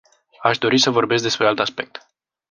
Aș dori să vorbesc despre alt aspect.